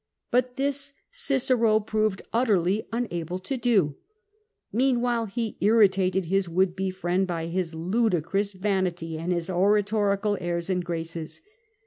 But this Cicero proved utterly unable to do : meanwhile he irri tated his would be friend by his ludicrous vanity and his oratorical airs and graces.